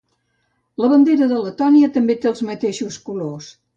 La bandera de Letònia també té els mateixos colors.